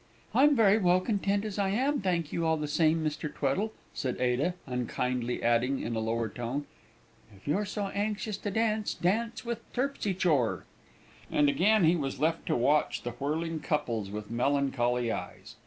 "I'm very well content as I am, thank you all the same, Mr. Tweddle," said Ada, unkindly adding in a lower tone, "If you're so anxious to dance, dance with Terpsy chore!" And again he was left to watch the whirling couples with melancholy eyes.